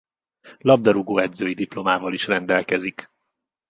Labdarúgó edzői diplomával is rendelkezik.